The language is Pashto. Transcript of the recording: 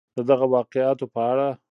د دغه واقعاتو په اړه